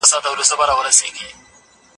دولتونو نوي اقتصادي سياستونه غوره کړي دي.